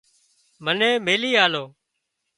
منين ميلي آلو